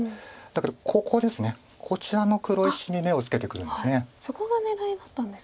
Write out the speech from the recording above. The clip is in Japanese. ここですねこちらの黒石に目をつけてくるんです。